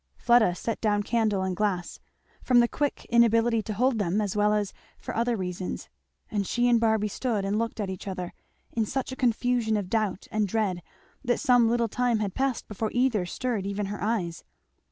Fleda set down candle and glass, from the quick inability to hold them as well as for other reasons; and she and Barby stood and looked at each other, in such a confusion of doubt and dread that some little time had passed before either stirred even her eyes.